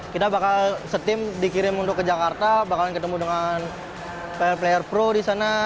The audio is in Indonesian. kita bakal setim dikirim untuk ke jakarta bakalan ketemu dengan player player pro di sana